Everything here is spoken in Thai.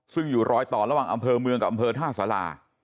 ซึ่งอยู่รอยต่อระหว่างอำเภอเมืองกับอำเภอท่าสารา